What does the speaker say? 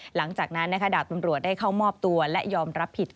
หลังจากนั้นดาบตำรวจได้เข้ามอบตัวและยอมรับผิด